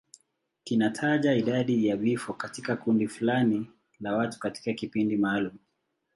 Kinataja idadi ya vifo katika kundi fulani la watu katika kipindi maalum.